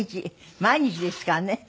毎日ですからね。